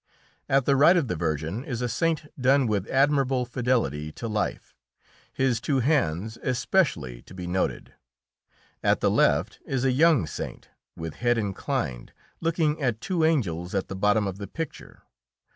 At the right of the Virgin is a saint done with admirable fidelity to life, his two hands being especially to be noted. At the left is a young saint, with head inclined, looking at two angels at the bottom of the picture.